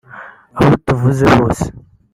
Abo tuvuze bose